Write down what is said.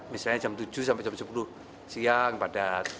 misalnya jam tujuh sampai jam sepuluh siang padat